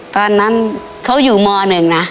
ตอนนั้นเขาอยู่ม๑นะ